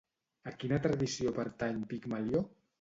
A quina tradició pertany Pigmalió?